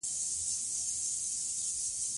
سږکال بارانونه ونه شو